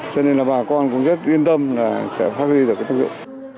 cho nên là bà con cũng rất yên tâm là sẽ phát huy được cái thực dụng